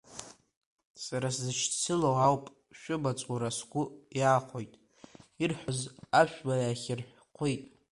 Сара сзышьцылоу ауп, шәымаҵ ура сгәы иаахәоит, ирҳәоз аԥшәма иаахьирхәит.